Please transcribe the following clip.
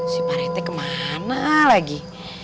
si pak rt kemana lagi